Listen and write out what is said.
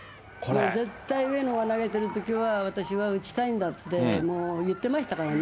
もう絶対上野が投げてるときは、私は打ちたいんだって、もう言ってましたからね。